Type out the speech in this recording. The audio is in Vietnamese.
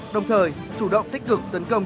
đồng thời chủ động tích cực tấn công